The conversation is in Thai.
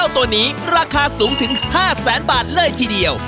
ตัวนี้ราคาสูงถึง๕แสนบาทเลยทีเดียว